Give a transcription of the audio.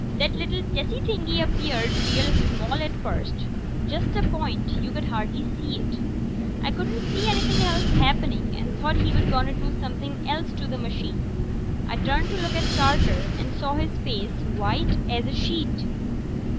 That little tessy thing appeared, real small at first. Just a point; you could hardly see it. I couldn't see anything else happening, and thought he was gonna do somepin' else to the machine. I turned to look at Carter, and saw his face was white as a sheet.